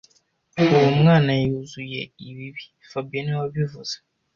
Uwo mwana yuzuye ibibi fabien niwe wabivuze